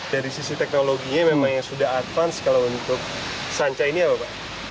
dari sisi teknologinya memang sudah advance kalau untuk sanca ini ya bapak